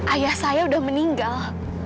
ayah saya udah meninggal